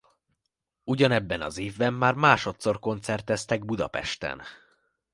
Ugyanebben az évben már másodszor koncerteztek Budapesten.